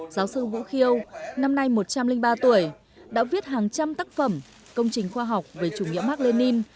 giáo sư vũ khiêu năm nay một trăm linh ba tuổi đã viết hàng trăm tác phẩm công trình khoa học về chủ nghĩa mark lenin